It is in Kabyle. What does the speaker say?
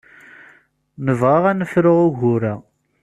Nebɣa ad nefru ugur-a.